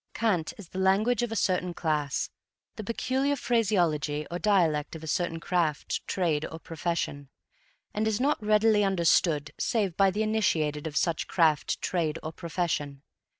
Cant is the language of a certain class the peculiar phraseology or dialect of a certain craft, trade or profession, and is not readily understood save by the initiated of such craft, trade or profession.